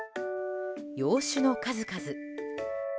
洋酒の数々。